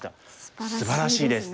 すばらしいですね。